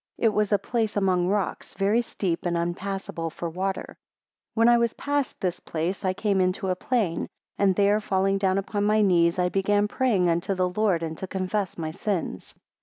It was a place among rocks, very steep, and unpassable for water. 4 When I was past this place, I came into a plain; and there falling down upon my knees, I began to pray unto the Lord, and to confess my sins.